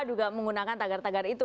juga menggunakan tagar tagar itu